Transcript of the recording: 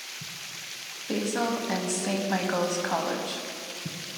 Basil and Saint Michael's College.